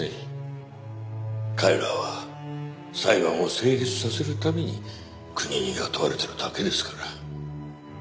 彼らは裁判を成立させるために国に雇われてるだけですから。